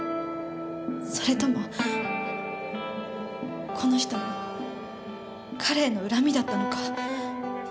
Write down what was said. それともこの人の彼への恨みだったのか。